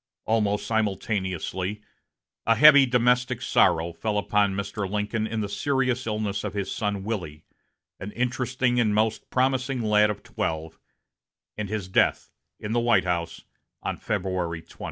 Almost simultaneously, a heavy domestic sorrow fell upon Mr. Lincoln in the serious illness of his son Willie, an interesting and most promising lad of twelve, and his death in the White House on February 20.